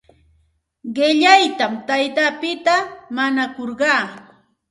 Qillaytam taytapita mañakurqaa.